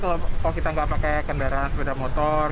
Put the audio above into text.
kalau kita nggak pakai kendaraan sepeda motor